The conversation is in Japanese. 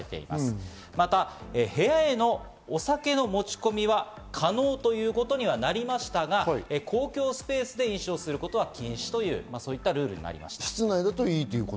部屋へのお酒の持ち込みは可能ということにはなりましたが、公共スペースで飲酒をすることは禁止といったルールになりました。